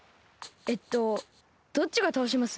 えっとどっちがたおします？